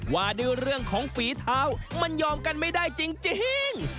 ว่าด้วยเรื่องของฝีเท้ามันยอมกันไม่ได้จริง